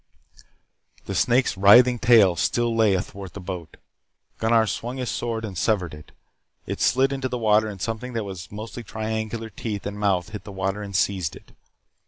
The snake's writhing tail still lay athwart the boat. Gunnar swung his sword and severed it. It slid into the water and something that was mostly triangular teeth and mouth hit the water and seized it.